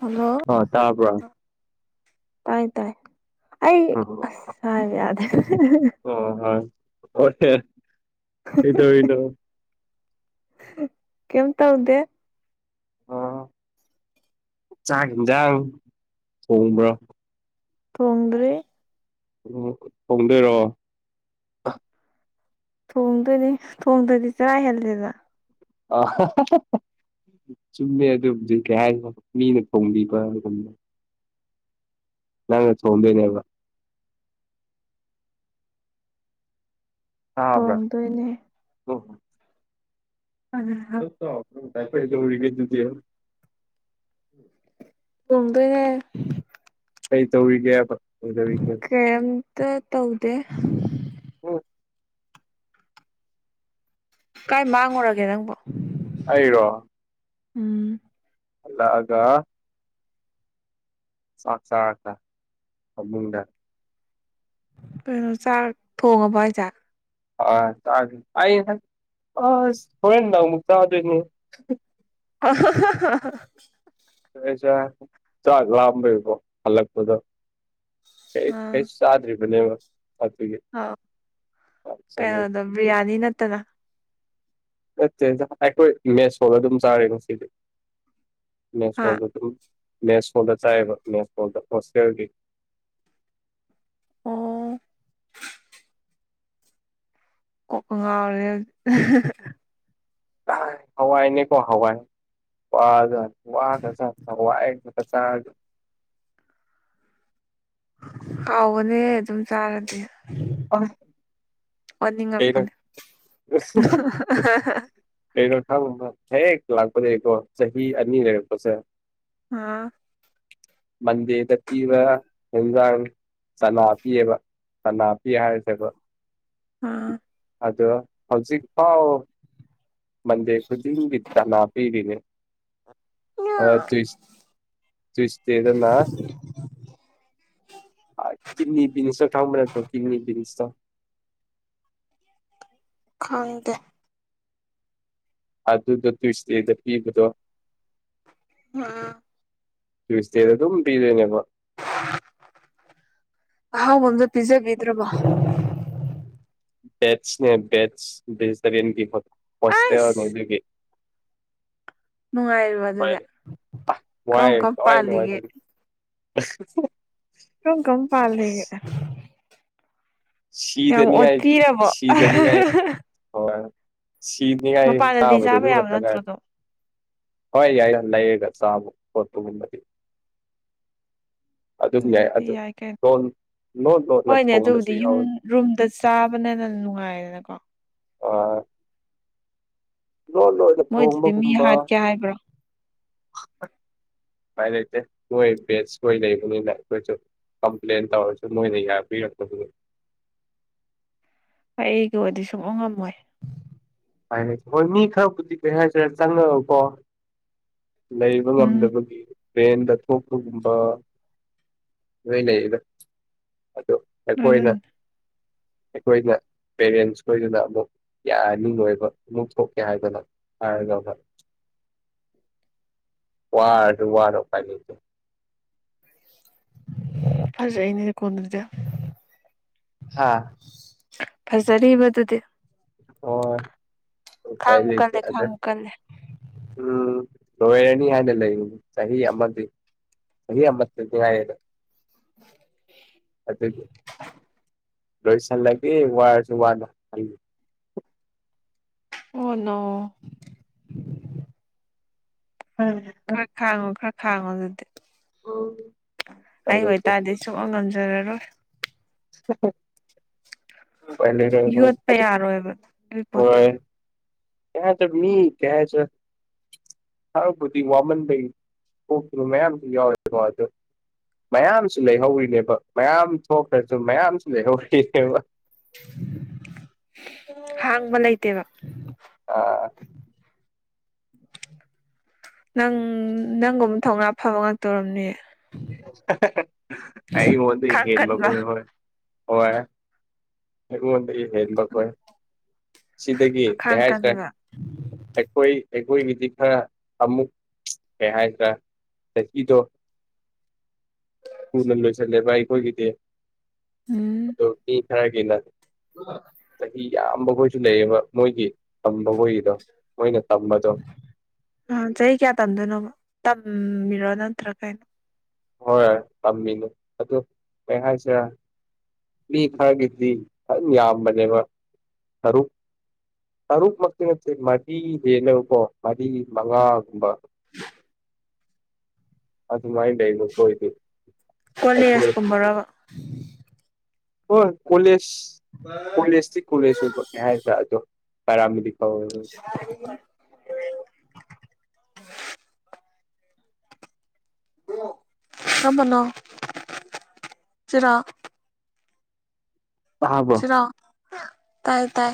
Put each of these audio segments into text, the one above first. Hello ꯑ ꯇꯥꯕ꯭ꯔꯣ ꯇꯥꯏ ꯇꯥꯏ ꯑꯩ ꯑ ꯑꯁ ꯍꯥꯏꯕ ꯌꯥꯗꯦ ꯑꯣ ꯍꯣꯏ [unintelligible] ꯀꯩꯗꯧꯔꯤꯅꯣ ꯀꯩꯝ ꯇꯧꯗꯦ ꯆꯥꯛ ꯌꯦꯟꯖꯥꯡ ꯊꯣꯡꯕ꯭ꯔꯣ ꯊꯣꯡꯗ꯭ꯔꯤ ꯎꯝ ꯊꯣꯡꯗꯣꯏꯔꯣ ꯊꯣꯡꯗꯣꯏꯗꯤ ꯊꯣꯡꯗ꯭ꯔꯗꯤ ꯆꯔꯥ ꯍꯦꯜꯂꯦꯗ ꯑꯥ ꯆꯨꯝꯃꯦ ꯑꯗꯨꯝꯗꯤ ꯀꯩ ꯍꯥꯏꯅꯣ ꯃꯤꯅ ꯊꯣꯡꯕꯤꯕ ꯑꯗꯨꯨꯝ ꯅꯪꯅ ꯊꯣꯡꯗꯣꯏꯅꯦꯕ ꯇꯕ꯭ꯔꯥ ꯊꯣꯡꯗꯣꯏꯅꯦ ꯀꯩꯗꯧꯔꯤꯒꯦ ꯑꯗꯨꯗꯤ ꯊꯣꯡꯗꯣꯏꯅꯦ ꯀꯩꯇꯧꯔꯤꯒꯦꯕ ꯀꯩꯗꯧꯔꯤꯒꯦꯕ ꯀꯩꯝꯇ ꯇꯧꯗꯦ [unintelligible] ꯀꯥꯏ ꯃꯥꯡꯉꯨꯔꯒꯦ ꯅꯪꯕꯣ ꯑꯩꯔꯣ ꯎꯝ ꯍꯥꯂꯛꯑꯒ ꯆꯥꯛ ꯆꯥꯔꯒ ꯐꯥꯃꯨꯡꯗ ꯀꯩꯅꯣ ꯆꯥꯛ ꯊꯣꯡꯉꯕꯣ ꯍꯥꯏꯖꯦ ꯑꯥ ꯇꯥꯗ꯭ꯔꯤ ꯑꯩꯍꯦ ꯍꯨꯔꯦꯟ ꯅꯨꯝꯗꯥꯡ ꯑꯃꯨꯛ ꯆꯥꯗꯣꯏꯅꯦ [unintelligible] [unintelligible] ꯆꯥꯛ ꯂꯥꯝꯕꯩ ꯍꯜꯂꯛꯄꯥꯗꯀꯣ ꯆꯥꯗ꯭ꯔꯤꯕꯅꯦꯕ [unintelligible] ꯑꯥꯎ ꯀꯩꯅꯣꯗꯣ ꯕꯤꯔꯌꯥꯅꯤ ꯅꯠꯇꯅ ꯅꯠꯇꯦꯗ ꯑꯩꯈꯣꯏ ꯃꯦꯁ ꯍꯣꯜ ꯑꯗꯨꯝ ꯆꯥꯔꯦ ꯉꯁꯤꯗꯤ ꯃꯦꯁ ꯍꯥ ꯍꯣꯜꯗ ꯑꯗꯨꯝ ꯃꯦꯁꯍꯣꯜꯗ ꯆꯥꯏꯑꯕ ꯃꯦꯁꯍꯣꯜꯗ ꯍꯣꯁꯇꯦꯜꯒꯤ ꯑꯣ ꯀꯣꯛꯀꯥ ꯉꯥꯎꯔꯦꯗ ꯍꯧꯖꯤꯛ ꯍꯋꯥꯏ ꯅꯦ ꯀꯣ ꯍꯋꯥꯏ ꯋꯥꯖꯠꯅꯤ ꯋꯥꯒ꯭ꯔꯥꯖꯠꯅꯤ ꯌꯝ ꯋꯥꯏ ꯆꯥꯛ ꯆꯥꯔꯖꯨ ꯍꯥꯎꯕꯅꯦꯍꯦ ꯑꯗꯨꯝ ꯆꯥꯔꯗꯤ [unintelligible] ꯀꯩꯅꯣ ꯑꯣꯅꯤꯡꯉꯛꯄꯅꯤ [unintelligible] ꯄꯦꯔꯣꯠ ꯈꯪꯕꯔꯥ ꯍꯦꯛ ꯂꯥꯛꯄꯗꯒꯤꯀꯣ ꯆꯍꯤ ꯑꯅꯤ ꯂꯩꯔꯛꯄꯁꯦ ꯎꯝ ꯃꯟꯗꯦꯗ ꯄꯤꯕ ꯍꯦꯟꯖꯥꯡ ꯆꯅꯥ ꯄꯤꯌꯦꯕ ꯆꯅꯥꯄꯤꯌꯦ ꯍꯥꯏꯔꯁꯦꯕ ꯑꯥ ꯑꯗꯣ ꯍꯧꯖꯤꯛꯐꯥꯎ ꯃꯟꯗꯦ ꯈꯨꯗꯤꯡꯒꯤ ꯇꯅꯥ ꯄꯤꯔꯤꯅꯦ ꯑ ꯇꯨꯏ ꯇꯨꯁꯇꯦꯗꯅ ꯑꯀ ꯀꯤꯅꯤꯄꯤꯅꯤꯁꯇꯔ ꯈꯡꯕ ꯅꯠꯇ꯭ꯔꯣ ꯀꯤꯅꯤꯄꯤꯅꯤꯥꯁꯇꯔ ꯈꯪꯗꯦ ꯑꯗꯨꯗꯣ ꯇꯨꯏꯁꯇꯦꯗ ꯄꯤꯕꯗꯣ ꯍꯥ ꯇꯨꯏꯁꯗꯦꯗ ꯑꯗꯨꯝ ꯄꯤꯔꯅꯦꯕ ꯑꯍꯥꯎꯕ ꯑꯝꯗ ꯄꯤꯖꯕꯤꯗ꯭ꯔꯕꯣ ꯕꯦꯠꯁꯅꯦ ꯕꯦꯠꯁ ꯚꯦꯖꯤꯇꯔꯤꯌꯥꯟ ꯍꯣꯁꯇꯦꯜꯅꯦ ꯑꯁ ꯑꯗꯨꯒꯤ ꯅꯨꯡꯉꯥꯏꯔꯤꯕ ꯑꯗꯨꯗꯤ ꯋꯥꯏ ꯀꯔꯝ ꯀꯔꯝ ꯄꯥꯜꯂꯤꯒꯦ [unintelligible] ꯑꯁ ꯀꯔꯝ ꯀꯔꯝ ꯄꯟꯂꯤꯒꯦ ꯌꯥꯝ ꯁꯤꯗꯅꯤꯉꯥꯏ ꯑꯣꯠꯄꯤꯔꯕꯣ ꯁꯤꯗꯅꯤꯉꯥꯏ ꯍꯣꯏ ꯁꯤꯗꯦꯒ ꯍꯥꯏꯌꯦ ꯃꯄꯥꯟꯗꯗꯤ ꯆꯥꯕ ꯆꯥꯕꯗꯁꯨ ꯌꯥꯕ ꯍꯟꯊꯅ ꯅꯠꯇ꯭ꯔꯣ ꯍꯥꯏ ꯑꯗꯣ ꯍꯣꯏ ꯌꯥꯏ ꯂꯩꯌꯦꯒ ꯆꯥꯝꯃ ꯄꯣꯠꯇꯨꯒꯨꯝꯕꯗꯤ ꯑꯗꯨꯝ ꯌꯥꯏ ꯑꯗꯨꯗꯤ ꯑꯗꯨꯝ ꯀꯩꯅꯣ ꯂꯣꯟ ꯂꯣꯟ ꯂꯣꯟꯅ ꯍꯣꯏꯅꯦ ꯊꯣꯡꯕꯁꯦ ꯑꯗꯨꯕꯨꯗꯤ ꯌꯨꯝ ꯔꯨꯝꯗ ꯆꯥꯕꯅꯦꯅ ꯅꯨꯡꯉꯥꯏꯌꯦꯗꯅꯀꯣ ꯑ ꯂ ꯂꯣꯏ ꯃꯣꯏꯗꯨꯗꯤ ꯃꯤ ꯍꯥꯠꯀꯦ ꯍꯥꯏꯕ꯭ꯔꯣ ꯎꯄꯥꯏ ꯂꯩꯇꯦ ꯅꯣꯏ ꯅꯦꯁ ꯈꯣꯏ ꯂꯩꯕꯅꯤꯅꯥ ꯑꯈꯣꯏꯁꯨ ꯀꯝꯄ꯭ꯂꯦꯟ ꯇꯧꯔꯁꯨ ꯃꯣꯏ ꯅꯄꯤꯔꯀ ꯍ ꯑꯩꯒ ꯑꯣꯏꯗꯤ ꯁꯨꯡꯉ ꯉꯝꯃꯣꯏ ꯎꯄꯥꯏꯂꯩꯇꯦ ꯍꯣꯏ ꯃꯤ ꯈꯔꯕꯨꯗꯤ ꯀꯩ ꯍꯥꯏꯁꯤꯔ ꯆꯪꯅꯔꯛꯑꯣꯀꯣ ꯂꯩꯕ ꯎꯝ ꯉꯝꯗꯕꯒꯤ ꯇꯦꯟꯗ ꯊꯣꯄꯒꯨꯝꯕ ꯂꯣꯏ ꯂꯩꯗ ꯑꯗꯨ ꯑꯩꯈꯣꯏꯅ ꯑꯗꯨꯅꯤ ꯑꯩꯈꯣꯏꯅ ꯄꯦꯔꯦꯟꯁ ꯈꯣꯏꯗꯨꯅ ꯑꯃꯨꯛ ꯌꯥꯅꯤ ꯂꯣꯏꯕ ꯅꯣꯛꯊꯣꯛꯀꯦ ꯍꯥꯏꯗꯅ ꯍꯥꯏꯔꯒ ꯋꯥꯔꯁꯨ ꯋꯥꯅ ꯎꯄꯥꯏ ꯂꯩꯇꯦ ꯐꯖꯅꯦꯗꯤ ꯀꯣꯗ꯭ꯔꯗ ꯍꯥꯥ ꯐꯖꯔꯤꯕ ꯑꯗꯨꯗꯤ ꯍ ꯈꯥꯡꯕꯨ ꯄꯦꯂꯤ ꯀꯜꯂꯦ ꯆꯗꯦ ꯈꯥꯡꯕꯨ ꯀꯜꯂꯦ ꯎꯝ ꯂꯣꯏꯔꯅꯤ ꯍꯥꯏꯅ ꯂꯩ ꯆꯍꯤ ꯑꯃꯗꯤ ꯍꯧꯖꯤꯒ ꯑꯃꯇꯥꯗꯤ ꯉꯥꯏꯔꯦꯗ [unintelligible] ꯑꯗꯨꯗꯤ ꯂꯣꯏꯁꯟꯂꯒꯦ ꯋꯥꯁꯨ ꯋꯥꯗ ꯑꯣꯅꯣ ꯎꯝ ꯎ ꯈꯔ ꯈꯥꯡꯉꯣ ꯈꯔ ꯈꯥꯡꯉꯣ ꯑꯗꯨꯗꯤ ꯑꯩ ꯑꯣꯏꯇꯥꯔꯗꯤ ꯁꯛꯉꯝ ꯉꯝꯖꯔꯔꯣꯏ [unintelligible] ꯌꯣꯠꯄ ꯌꯥꯔꯣꯏꯕ ꯑꯗꯨꯏ ꯄꯣꯠꯇꯣ ꯍꯣꯏ ꯀꯌꯇꯃꯤ ꯀꯌꯥꯆ ꯍꯔꯕꯨ ꯋꯥꯃꯟꯗ ꯑꯣ ꯃꯌꯥꯝꯁꯨ ꯌꯥꯎꯋꯦꯗ [unintelligible] ꯃꯌꯥꯝꯁꯨ ꯂꯩꯍꯧꯔꯤꯅꯦꯕ ꯃꯌꯥꯝ ꯊꯣꯛꯈ꯭ꯔꯁꯨ ꯃꯌꯥꯝꯁꯨ ꯂꯩꯍꯧꯔꯤꯅꯦꯕ ꯍꯥꯡꯕ ꯅꯥꯩꯇꯦꯕ ꯑꯥ ꯅꯪ ꯅꯪꯒꯨꯝꯕ ꯊꯧꯅꯥ ꯐꯕ ꯉꯥꯛꯇ ꯑꯣꯏꯔꯝꯅꯤ ꯑꯩ ꯋꯥꯗ ꯈꯥꯡ ꯦꯗ ꯃ ꯀꯟꯕ ꯀꯣꯏꯣꯏ ꯍꯣꯏ ꯍꯣꯏ ꯑꯩꯉꯣꯟꯗꯒꯤ ꯍꯦꯟꯕ ꯈꯣꯏ꯫ ꯁꯤꯗꯒꯤ ꯀꯩ ꯃꯈꯥꯡ ꯍꯥꯏꯇ꯭ꯔꯦ ꯀꯟꯕ ꯑꯩꯈꯣꯏ ꯑꯩꯈꯣꯏꯒꯤꯗꯤ ꯈꯔ ꯑꯃꯨꯛ ꯀꯩ ꯍꯥꯏꯗꯥꯏ꯫ ꯆꯥꯍꯤꯗꯣ ꯊꯨꯅ ꯂꯣꯏꯁꯤꯜꯂꯦꯕ ꯑꯩꯈꯣꯏꯒꯤꯗꯤ ꯎꯝ ꯑꯗꯣ ꯃꯤ ꯈꯔꯒꯤꯅ꯫ [inaudible] ꯆꯍꯤ ꯌꯥꯝꯕꯈꯣꯏꯁꯨ ꯂꯩꯌꯦꯕ ꯃꯣꯏꯒꯤ ꯇꯝꯕꯈꯣꯏꯒꯤꯗꯣ ꯃꯣꯏꯅ ꯇꯝꯕꯗꯣ꯫ ꯑꯝ ꯆꯍꯤ ꯀꯌꯥ ꯇꯝꯗꯣꯏꯅꯣꯕ ꯇꯝꯃꯤꯔꯥ ꯅꯠꯇ꯭ꯔꯥꯒ ꯀꯩꯅꯣ꯫ ꯍꯣꯏꯣꯏ ꯇꯝꯃꯤꯅꯦ ꯑꯗꯨ ꯍ ꯍꯥꯏꯁꯤꯔ ꯃꯤ ꯈꯔꯒꯤꯗꯤ ꯑꯗꯨꯝ ꯌꯥꯝꯕꯅꯦꯕ ꯇꯔꯨꯛ꯫ ꯇꯔꯨꯛꯃꯛꯇꯤ ꯅꯠꯇꯦ ꯃꯔꯤ ꯍꯦꯟꯅꯕꯀꯣ ꯃꯔꯤ ꯃꯉꯥꯒꯨꯝꯕ ꯎꯝ ꯑꯗꯨꯃꯥꯥꯏ ꯀꯣꯂꯦꯖ [unintelligible] ꯀꯨꯝꯕꯔꯕ ꯍ ꯀꯣꯂꯦꯖ ꯑ ꯀꯣꯂꯦꯖꯇꯤ ꯀꯣꯂꯦꯖ ꯑꯣꯏꯕꯅꯦ ꯍꯥꯏ꯭ꯔꯥ ꯑꯗꯣ ꯄꯔꯥꯗꯤ ꯐ ꯑ ꯀꯝꯕꯅꯣ ꯁꯤꯔꯥ ꯇꯥꯕꯣ ꯑ ꯇꯥꯏ ꯇꯥꯏ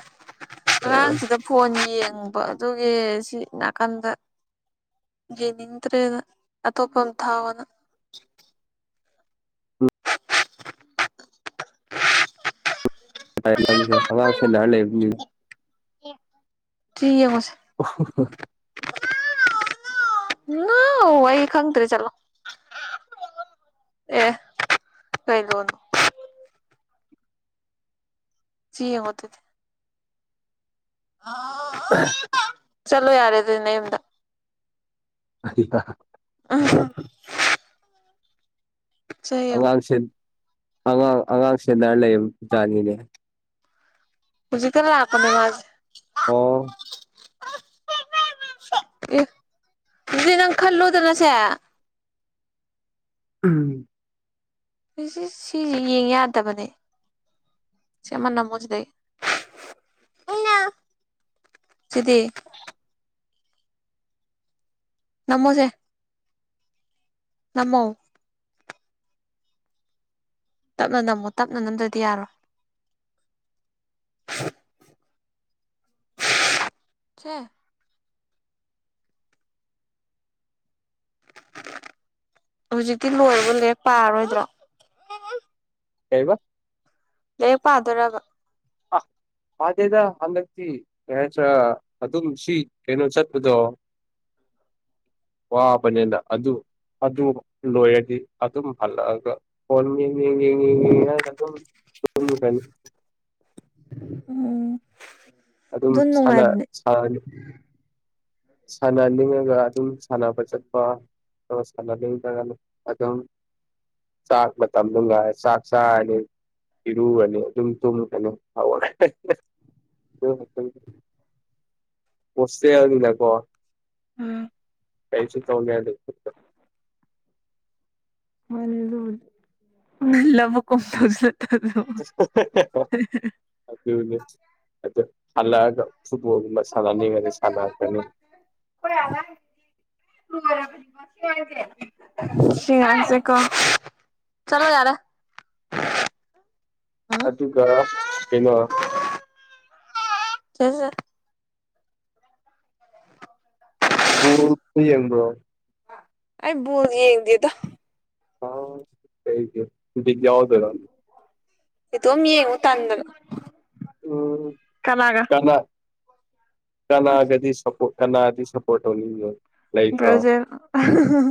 ꯑꯉꯥꯡꯁꯤꯒ ꯐꯣꯟ ꯌꯦꯡꯕ ꯑꯗꯨꯒꯤ ꯁꯤ ꯅꯥꯀꯟꯗ ꯌꯦꯅꯤꯡꯗ꯭ꯔꯦꯅ ꯑꯇꯣꯞꯄ ꯑꯃ ꯊꯥꯎꯑꯣꯅ꯫ ꯥꯏ ꯂꯦꯋꯥꯁꯦ ꯅꯅꯥ ꯂꯩ ꯇꯨ ꯌꯦꯉꯣꯁꯦ ꯑꯣ ꯑꯣ ꯅ ꯑꯩꯛ ꯈꯪꯇ [unintelligible] ꯔ꯭ꯦꯆꯠꯂꯣ ꯑꯦ ꯀꯩꯒꯤꯅꯣ ꯁꯤ ꯌꯦꯡꯒꯠꯇꯦ ꯆꯠꯂꯣ ꯌꯥꯔꯦ ꯑꯗꯨꯅꯦ ꯌꯨꯝꯗ ꯑꯙꯀ ꯑꯣ ꯑꯉꯥꯡꯁꯦ ꯑꯉꯥꯡ ꯑꯉꯥꯡꯁꯦ ꯂꯔ ꯂꯩꯕꯖꯥꯅꯤꯅꯦ ꯄꯨꯖꯤ ꯀ ꯂꯑꯀꯅꯤ ꯑ ꯑꯣ ꯑꯗꯨꯗꯤ ꯅꯪ ꯈꯜꯂꯨꯗꯅꯁꯦ ꯎꯝ ꯑꯩꯁ ꯁꯤꯁꯦ ꯌꯦꯡ ꯌꯥꯗꯕꯅꯦ ꯁꯤꯃ ꯅ ꯑꯃꯨꯁꯤꯗꯩ ꯁꯤꯗꯤ ꯅꯃꯣꯁꯦ ꯉꯃꯣ ꯇꯞꯅ ꯅꯝꯃꯣ ꯇꯞꯅ ꯅꯝꯗ꯭ꯔꯗꯤ ꯌꯥꯔꯣ [unintelligible] ꯊꯦ ꯍꯧꯖꯤꯛꯇꯤ ꯂꯣꯏꯔꯒ ꯂꯦꯛ ꯄꯥꯔꯣꯏꯗ꯭ꯔꯣ ꯀꯩꯕ ꯂ ꯄꯥꯗꯣꯔꯒ ꯑ ꯄꯗꯦꯗ ꯍꯗꯛꯇꯤ ꯌꯥꯆꯥ ꯑꯗꯨꯝ ꯁꯤ ꯀꯩꯅꯣ ꯆꯠꯄꯗꯣ ꯋꯥꯕꯅꯦꯗ ꯑꯗꯨ ꯑꯗꯨ ꯂꯣꯏꯔꯗꯤ ꯑꯗꯨꯝ ꯍꯜꯂꯛꯑꯒ ꯍꯣꯟ ꯌꯦꯡ ꯌꯦꯡ ꯌꯦꯡ ꯌꯦꯡ ꯌꯦꯡꯉꯒ ꯑꯗꯨꯝ ꯀ ꯀꯅꯤ ꯎꯝ ꯑꯗꯨ ꯑꯗꯨꯝꯅꯅꯤ ꯅꯨꯡꯉꯥꯏꯕꯅꯦ ꯁꯥꯟꯅꯅꯤꯡꯉꯒ ꯑꯗꯨꯝ ꯁꯥꯟꯅꯕ ꯆꯠꯄ ꯂꯗꯒ ꯆꯥꯛ ꯃꯇꯝꯗꯨꯅꯨꯡ ꯉꯥꯏ ꯆꯥꯛ ꯆꯥꯅꯤ ꯏꯔꯨꯒꯅꯤ ꯑꯗꯨꯝ ꯆꯨꯝꯀꯅꯤ ꯍꯥꯎ ꯁ ꯌꯥꯎ ꯀꯣ ꯎꯝ ꯀꯩꯁꯤ ꯇꯣꯡꯦ ꯃꯅꯦ ꯂꯕ ꯀ [unintelligible] ꯑꯗꯨꯗꯤ ꯑꯗꯨ ꯍꯜꯂꯛꯑꯒ ꯐꯨꯠꯕꯣꯜꯒꯨꯝꯕ ꯁꯥꯟꯅꯅꯉꯗꯤ ꯁꯥꯟꯅꯑꯀꯅꯤ ꯍꯣꯏ ꯌꯥꯅ ꯁꯤꯉꯁꯦ ꯀ ꯆꯂꯣ ꯌꯥꯔꯦ ꯎꯝ ꯑꯗꯨꯒ ꯀꯩꯅꯣ ꯆꯦ ꯕꯨ ꯌꯦꯡꯕ꯭ꯔꯣ ꯑꯩꯕꯨ ꯌꯦꯡꯗꯤꯦꯗꯣ ꯍ ꯍꯩ ꯌꯥꯎꯗꯔ ꯏꯗꯣꯝ ꯌꯦꯡꯉꯨ ꯇꯟꯗꯅ ꯎꯝ ꯀꯃꯒ ꯀꯅꯥ ꯀꯅꯥꯒꯗꯤ ꯁꯄ ꯀꯅꯥꯒꯗꯤ ꯁꯞꯄꯣꯔꯠ ꯇꯧꯅꯤꯡꯕꯣ ꯂꯣꯏ ꯆ ꯕ꯭ꯔꯥꯖꯤꯜ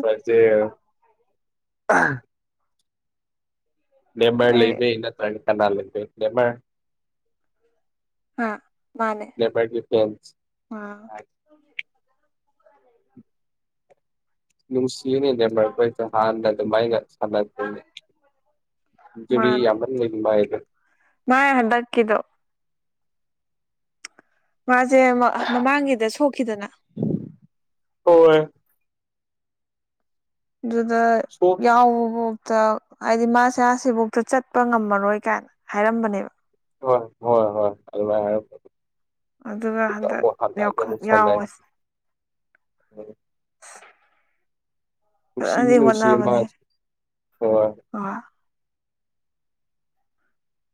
ꯄꯆꯦ ꯅꯦꯕꯔ ꯂ ꯑꯩ ꯂꯩꯕꯦꯅ ꯇ꯭ꯔꯟ ꯀꯥꯅꯥ ꯂꯩꯕ ꯅꯦꯕ ꯑ ꯃꯥꯅꯦ ꯅꯦꯄꯥ ꯑꯥ ꯅꯨꯡ ꯁꯤꯅꯦꯅꯦ ꯅ ꯃꯄꯣꯏ ꯍꯥꯥꯟꯗ ꯑꯗꯨ ꯃꯥꯏꯅ ꯑ ꯑꯗꯨꯔꯤ ꯌꯥꯝꯟꯕꯥꯏꯗ ꯅꯅꯥ ꯍꯗ ꯀꯗꯣ ꯃꯥꯁꯦ ꯃꯃꯥꯡꯒꯤꯗ ꯁꯣꯛꯈꯤꯗꯅ ꯍꯣꯏ꯫ ꯑꯗꯨꯗ ꯁꯣ ꯌꯥꯎꯕꯐꯧꯇ ꯍꯥꯏꯗꯤ ꯃꯥꯁꯦ ꯁꯤꯐꯧꯇ ꯆꯠꯄ ꯉꯝꯃꯔꯣꯏ ꯀꯥꯏꯅ ꯍꯥꯏꯔꯝꯕꯅꯦꯕ ꯍꯣꯏ ꯍꯣꯏ ꯍꯣꯏ ꯑꯗꯨꯜꯃꯥꯏ ꯑꯗꯨꯒ ꯍꯟꯗꯛ ꯑꯃ ꯍꯜꯒꯦ ꯌꯥꯎꯈꯠ ꯑꯃꯨꯛ ꯁꯥꯟꯗꯥꯏ ꯌꯥꯎꯋꯦꯁ ꯁꯤꯅꯤ ꯐꯖꯅꯗꯤ ꯅꯨꯡꯁꯤ ꯃꯥ ꯍ ꯑ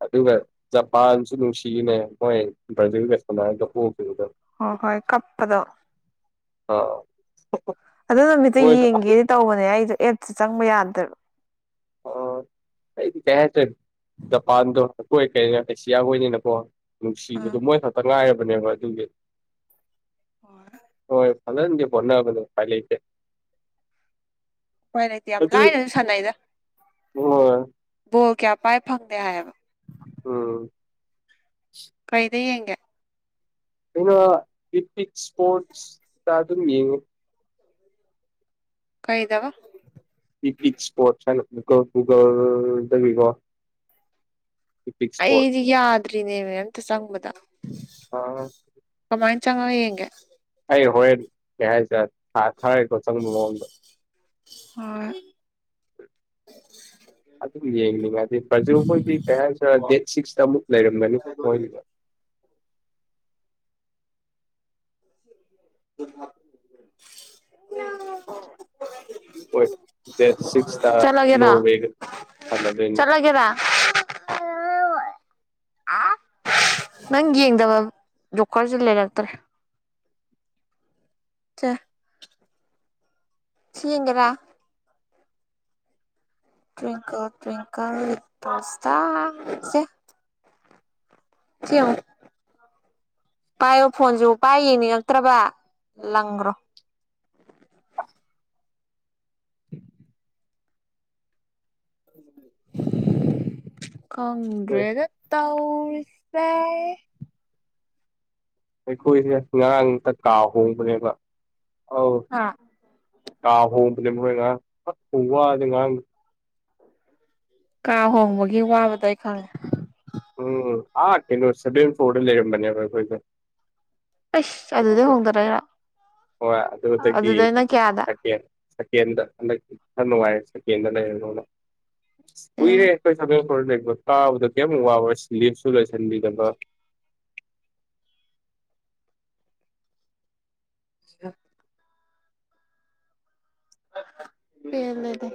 ꯑꯗꯨꯒ ꯖꯄꯥꯟꯁꯨ ꯅꯨꯡꯁꯤꯅꯦ ꯃꯣꯏ ꯕ꯭ꯔꯥꯖꯤꯜ ꯋꯦꯁꯀꯨꯃꯥꯔꯗ ꯎꯈꯤꯕꯗ ꯍ ꯍꯣꯏ ꯀꯄꯗꯣ ꯑꯥ ꯑꯗꯨ ꯅꯨꯃꯤꯠꯇ ꯃꯣꯏꯗꯣ ꯌꯦꯡꯒꯦꯗꯤ ꯇꯧꯕꯅꯦ ꯑꯩꯁꯨꯣ ꯑꯦꯠꯁ ꯆꯪꯕ ꯌꯥꯗ꯭ꯔꯣ ꯑꯣ ꯑꯩꯗꯤ ꯀꯩ ꯍꯥꯏꯇꯣꯏꯅꯦ ꯖꯄꯥꯟꯗꯣ ꯑꯩꯈꯣꯏ ꯀꯔꯤꯅꯣ ꯑꯦꯁꯤꯌꯥ ꯍꯣꯏꯅꯤꯅꯀꯣ ꯅꯨꯡꯁꯤꯕꯗꯣ ꯑꯥ ꯃꯣꯏ ꯈꯛꯇ ꯉꯥꯏꯔꯕꯅꯦꯕ ꯑꯗꯨꯒꯤ ꯍꯣꯏ ꯍꯣꯏ ꯐꯖꯗꯤꯦ ꯐꯣꯅꯕꯗ ꯐꯥꯏ ꯂꯩꯇꯦ ꯍꯣꯏ ꯂꯩꯥꯏꯇ ꯌꯥꯝ ꯂꯥꯏꯅ ꯁꯅꯗ ꯍ ꯑꯣ ꯀꯌꯥ ꯄꯥꯏ ꯐꯪꯗꯦ ꯍꯥꯏꯌꯦꯕ ꯑꯝ ꯀꯩꯗ ꯌꯦꯡꯒꯦ ꯑꯩꯅ ꯏꯄꯤꯛ ꯏꯁꯄꯣꯔꯠꯁꯇ ꯑꯗꯨꯝ ꯌꯦꯡꯉꯤ ꯀꯩꯗꯕ ꯄꯤꯛꯅꯤꯛ ꯁꯄꯣꯠ ꯨꯒꯜ ꯗꯕꯤꯒꯣ ꯑꯩꯗꯤ ꯌꯥꯗ꯭ꯔꯤꯅꯦꯦꯕ ꯑꯇ ꯆꯉꯃꯗ ꯑꯥ ꯀꯃꯥꯏꯅ ꯆꯪꯉ ꯌꯦꯌꯦꯒꯦ ꯑꯩ ꯍꯣꯔꯦꯟ ꯀꯩ ꯍꯥꯏꯁꯦ ꯊꯥꯔꯦꯀꯣ ꯆꯪꯕ ꯃꯑꯣꯡꯗ ꯍ ꯑꯗꯨꯝ ꯌꯦꯡꯅꯤꯡꯉꯗꯤ ꯐ꯭ꯔꯖ ꯍꯣꯏꯗꯤ ꯀꯌꯥꯨ ꯗꯦꯠ ꯁꯤꯛꯁꯇ ꯑꯃꯨꯛ ꯂꯩꯔꯝꯒꯅꯤ ꯃꯣꯏꯒꯤꯗ ꯎ ꯎ ꯍꯣꯏ ꯗꯦꯠ ꯁꯤꯛꯁꯇꯥ ꯅꯣ ꯑꯣꯏꯦꯒ ꯁꯥꯟꯅꯅꯤ ꯦꯕ ꯅꯪ ꯌꯦꯡꯗꯕ ꯣꯛꯀꯔꯁꯨ ꯂꯩꯔꯛꯇ꯭ꯔꯦ ꯁꯤꯒꯔꯥ ꯇ꯭ꯋꯡꯀꯜ ꯇ꯭ꯔꯤꯡꯀꯜ ꯄꯥꯁ ꯇꯁꯦ ꯀꯣ ꯄꯥꯏꯌꯣ ꯐꯣꯟꯁꯨ ꯄꯥꯏ ꯌꯦꯡꯅꯤꯡꯉꯛꯇ꯭ꯔꯕ ꯂꯪꯈ꯭ꯔꯣ [unintelligible] ꯍꯣꯏ ꯀꯪ꯭ꯔꯦꯒ ꯇꯧꯔꯁꯦ ꯑꯩꯈꯣꯏꯁꯦ ꯉꯔꯥꯡ ꯑꯝꯇ ꯀꯥꯎ ꯍꯣꯡꯕꯅꯦꯕ ꯑꯧ ꯑ ꯀꯥ ꯍꯣꯡꯕꯅꯦ ꯃꯣꯏ ꯉꯥꯡ ꯐꯣꯡ ꯋꯥꯗꯤ ꯉꯉꯥꯡ ꯀꯥ ꯍꯣꯡꯕꯒꯤ ꯋꯥꯕꯗꯣ ꯑꯩ ꯈꯪꯉꯦ ꯎꯝ ꯑꯥ ꯑꯇꯦꯡꯁ ꯐ ꯂꯩꯔ ꯃꯅꯤꯣꯏ ꯑꯩꯁ ꯑꯗꯨ ꯑꯗꯨꯗꯩ ꯍꯣꯡꯗꯔꯛꯏꯔꯣ ꯍꯣꯏ ꯑꯗꯨꯗꯒꯤꯀꯦ ꯑꯗꯨꯗꯩꯅ ꯀꯌꯥꯗ ꯁꯀ꯭ꯔ ꯊꯅꯨꯡ ꯋꯥꯏ ꯁꯀꯦꯟ꯭ꯔ ꯂꯩ ꯑꯦ ꯀꯨꯏꯔꯦ ꯑꯩꯈꯣꯏ ꯁꯒꯦꯟ ꯈꯔ ꯂꯩ ꯀꯥꯕꯗ ꯀꯩꯝꯛ ꯋꯥꯕꯔ ꯁ ꯂꯤꯞꯁꯨ ꯂꯣꯏꯁꯤꯟꯕꯤꯗꯅꯕ ꯑ ꯄ ꯂꯩꯗ